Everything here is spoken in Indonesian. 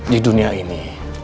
di dunia ini